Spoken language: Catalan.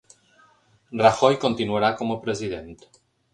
Rajoy continuarà com a president